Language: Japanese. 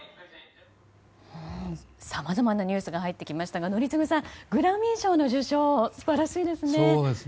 さまざまなニュースが入ってきましたが宜嗣さん、グラミー賞の受賞素晴らしいですね。